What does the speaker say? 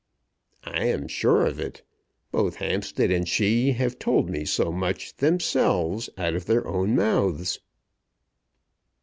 "I am sure of it. Both Hampstead and she have told me so much themselves out of their own mouths."